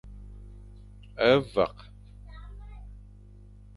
A vek.